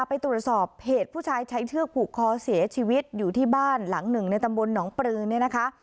ไปตรวจสอบเหตุผู้ชายใช้เชือกผูกคอเสียชีวิตอยู่ที่บ้านหลังหนึ่งในตำบลหนองปลือเนี่ยนะคะ